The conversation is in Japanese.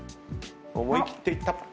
思い切っていった。